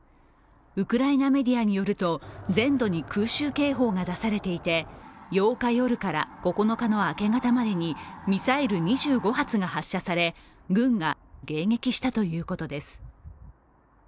ウクライナメディアによると、全土に空襲警報が出されていて８日夜から９日の明け方までにミサイル２５発が発射され軍が迎撃したということです。